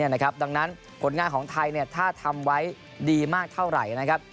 ดังนั้นผลงานของไทยถ้าทำไว้ดีมากเท่าไหร่นะครับ